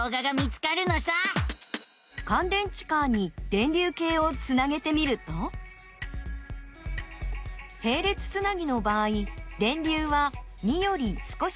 かん電池カーに電流計をつなげてみるとへい列つなぎの場合電流は２より少し小さくなっています。